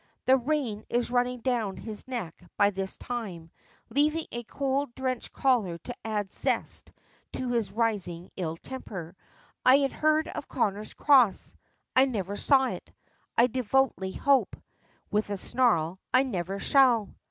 The rain is running down his neck by this time, leaving a cold, drenched collar to add zest to his rising ill temper. "I had heard of Connor's Cross. I never saw it. I devoutly hope," with a snarl, "I never shall."